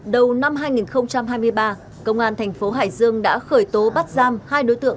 đầu năm hai nghìn hai mươi ba công an thành phố hải dương đã khởi tố bắt giam hai đối tượng